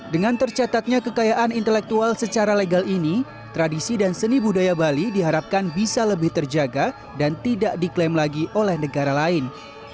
dengan tercatatnya kekayaan intelektual secara legal ini tradisi dan seni budaya bali diharapkan bisa lebih terjaga dan tidak diklaim lagi oleh negara lain